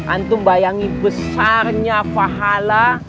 antum bayangi besarnya fahala